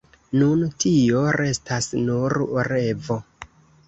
Nun tio restas nur revo.